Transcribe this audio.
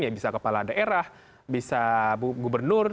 ya bisa kepala daerah bisa gubernur